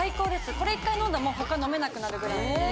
これ１回飲んだら他飲めなくなるぐらい。